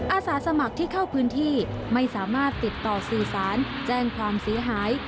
อาสาสมัครที่เข้าพื้นที่ไม่สามารถติดต่อสื่อสารแจ้งความเสียหาย